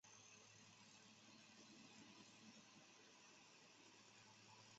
然后张将军却派出驱逐舰企图炸沉瓦尔基里号以掩盖真相。